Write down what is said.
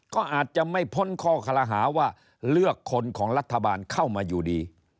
ก็อาจจะไม่พ้นข้อคารหาว่าเลือกคนของรัฐบาลเข้ามาอยู่ดี